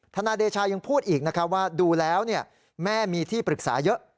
นายเดชายังพูดอีกนะครับว่าดูแล้วแม่มีที่ปรึกษาเยอะ